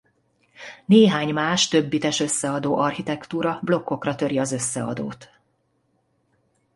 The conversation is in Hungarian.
Néhány más több bites összeadó architektúra blokkokra töri az összeadót.